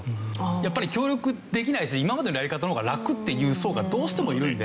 やっぱり協力できないし今までのやり方の方がラクっていう層がどうしてもいるんで。